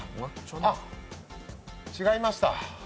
あ、違いました。